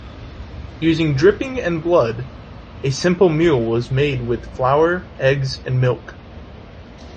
Using dripping and blood, a simple meal was made with flour, eggs and milk.